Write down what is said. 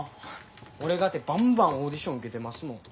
俺かてばんばんオーディション受けてますもん。